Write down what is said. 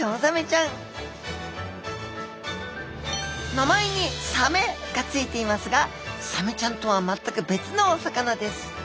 名前に「サメ」が付いていますがサメちゃんとは全く別のお魚です。